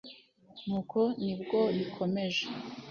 nuko ni bwo bikomeje